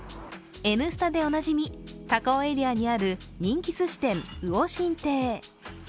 「Ｎスタ」でおなじみ、高尾エリアにある人気すし店、魚心亭。